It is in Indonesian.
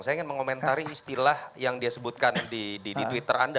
saya ingin mengomentari istilah yang dia sebutkan di twitter anda